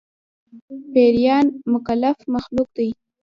پيريان مکلف مخلوق دي